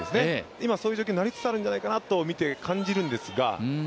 今、そういう状況になりつつあるんじゃないかなと見てて感じるんですが。